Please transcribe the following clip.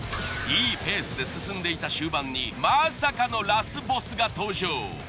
いいペースで進んでいた終盤にまさかのラスボスが登場。